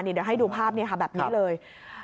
เดี๋ยวให้ดูภาพแบบนี้เลย